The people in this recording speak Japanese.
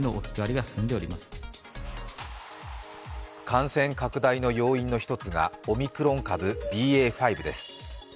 感染拡大の要因の一つがオミクロン株・ＢＡ．５です。